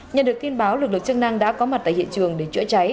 nhận được tin báo lực lượng chức năng đã có mặt tại hiện trường để chữa cháy